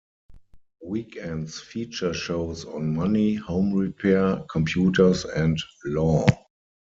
Weekends feature shows on money, home repair, computers and law.